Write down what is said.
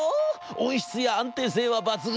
音質や安定性は抜群。